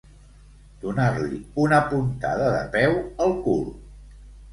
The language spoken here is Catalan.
Donar-li una puntada de peu al cul.